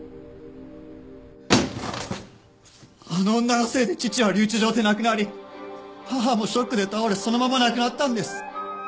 あの女のせいで父は留置場で亡くなり母もショックで倒れそのまま亡くなったんです。